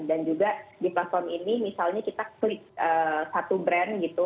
dan juga di platform ini misalnya kita klik satu brand gitu